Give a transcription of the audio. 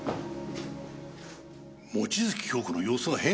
望月京子の様子が変？